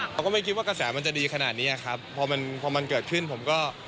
ก็ไม่คิดว่ากระแสมันจะดีขนาดนี้ครับพอมันพอมันเกิดขึ้นผมก็